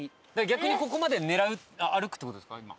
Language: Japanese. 逆にここまで狙う歩くって事ですか今。